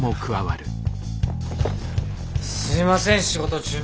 すいません仕事中に。